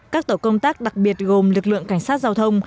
các tổ công tác đặc biệt gồm lực lượng cảnh sát giao thông